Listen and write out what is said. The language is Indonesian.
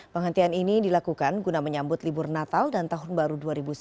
penghentian ini dilakukan guna menyambut libur natal dan tahun baru dua ribu sembilan belas